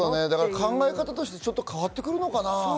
考え方として変わってくるのかな？